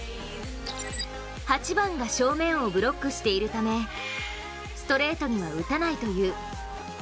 ８番が正面をブロックしているためストレートには打たないという。